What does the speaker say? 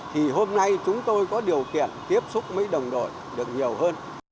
thì hôm nay chúng tôi có điều kiện tiếp xúc với đồng đội được nhiều hơn